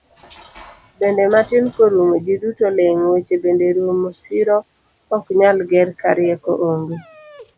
Bedo matin korumo, ji duto ling, weche bende rumo, siro oknyal ger karieko onge.